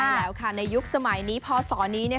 ใช่แล้วค่ะในยุคสมัยนี้พศนี้